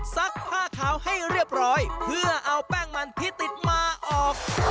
ซักผ้าขาวให้เรียบร้อยเพื่อเอาแป้งมันที่ติดมาออก